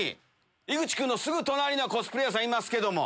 井口君のすぐ隣にはコスプレーヤーさんいますけど。